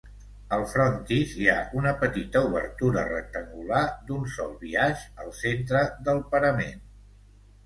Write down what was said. Al frontis hi ha una petita obertura rectangular d'un sol biaix al centre del parament.